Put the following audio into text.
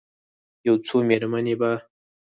یو څو میرمنې به،